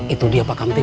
itu dia pak kantin